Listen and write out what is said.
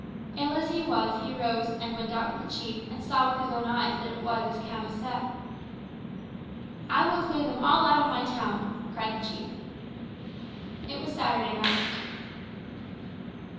Ill as he was he rose and went out with the chief and saw with his own eyes that it was as Khama said. "I will clear them all out of my town," cried the chief. It was Saturday night.